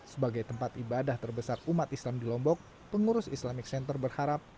sebagai tempat ibadah terbesar umat islam di lombok pengurus islamic center berharap